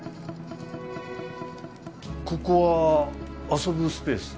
ここは遊ぶスペース？